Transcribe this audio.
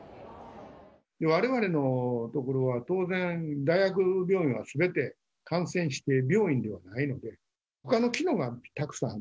われわれのところは当然、大学病院はすべて感染指定病院ではないので、ほかの機能がたくさんある。